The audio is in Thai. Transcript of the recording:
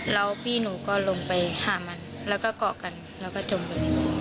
แล้วพี่หนูก็ลงไปหามันแล้วก็เกาะกันแล้วก็จมไป